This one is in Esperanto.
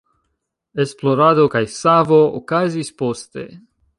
Esplorado kaj savo okazis poste.